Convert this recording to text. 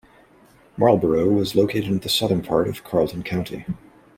Marlborough was located in the southern part of Carleton County.